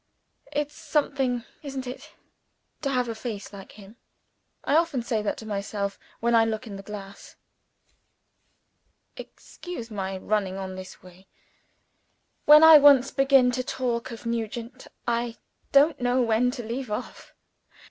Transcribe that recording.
It's something isn't it? to have a face like him. I often say that to myself when I look in the glass. Excuse my running on in this way. When I once begin to talk of Nugent, I don't know when to leave off."